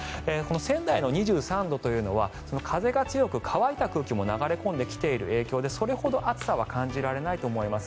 仙台の２３度というのは風が強く、乾いた空気も流れ込んできている影響でそれほど暑さは感じられないと思います。